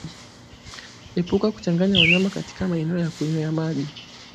Epuka kuchanganya wanyama katika maeneo ya kunywea maji